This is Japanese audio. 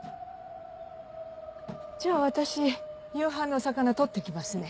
じゃあ私夕飯の魚捕って来ますね。